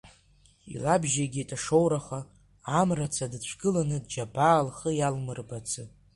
Илабжьеигеит, ашоураха, амра-ца дыцәгыланы џьабаа лхы иалмырбарацы.